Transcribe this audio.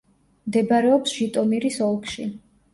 მდებარეობს ჟიტომირის ოლქში.